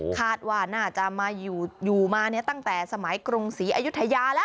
คาดว่าน่าจะมาอยู่มาตั้งแต่สมัยกรุงศรีอยุธยาแล้ว